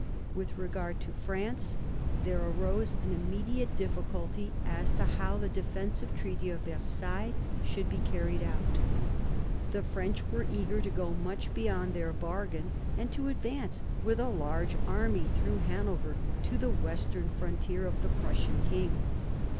With regard to France there arose an immediate difficulty as to how the defensive Treaty of Versailles should be carried out. The French were eager to go much beyond their bargain, and to advance with a large army through Hanover to the western frontier of the Prussian king.